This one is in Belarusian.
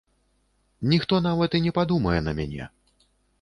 Ніхто нават і не падумае на мяне.